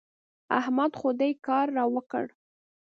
احمد خو دې کار را وکړ.